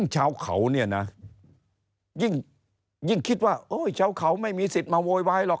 ชาวเขาเนี่ยนะยิ่งคิดว่าชาวเขาไม่มีสิทธิ์มาโวยวายหรอก